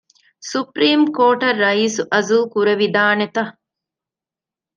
ސުޕްރީމް ކޯޓަށް ރައީސް އަޒުލް ކުރެވިދާނެތަ؟